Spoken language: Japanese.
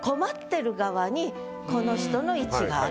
にこの人の位置がある。